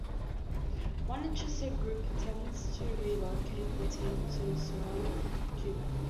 One interested group intended to relocate the team to Sorel, Quebec.